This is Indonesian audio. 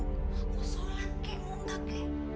udah sholat kayak muntah kayak